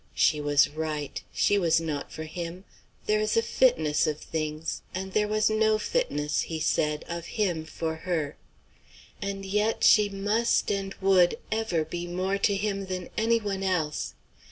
She was right. She was not for him. There is a fitness of things, and there was no fitness he said of him for her. And yet she must and would ever be more to him than any one else.